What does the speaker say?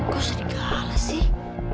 kok serigala sih